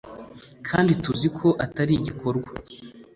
kandi tuzi ko atari igikorwa.